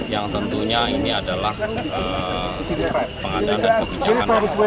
yang tentunya ini adalah pengadilan dan pekerjaan